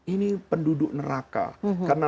ini penduduk neraka karena